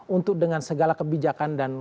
untuk dengan segala kebijakan dan